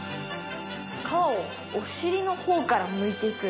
皮をお尻のほうからむいていく。